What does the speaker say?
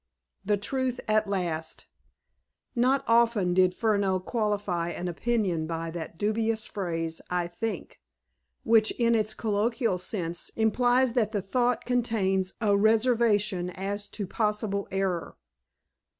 The Truth at Last Not often did Furneaux qualify an opinion by that dubious phrase, "I think," which, in its colloquial sense, implies that the thought contains a reservation as to possible error.